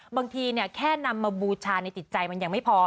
บางทีแค่นำมาบูชาในจิตใจมันยังไม่พอ